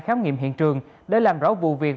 khám nghiệm hiện trường để làm rõ vụ việc